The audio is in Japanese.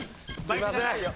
すいません。